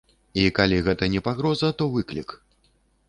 І калі гэта не пагроза, то выклік.